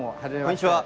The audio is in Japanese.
こんにちは。